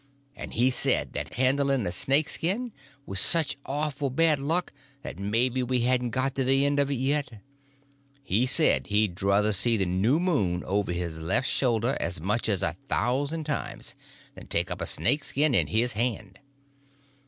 And he said that handling a snake skin was such awful bad luck that maybe we hadn't got to the end of it yet. He said he druther see the new moon over his left shoulder as much as a thousand times than take up a snake skin in his hand.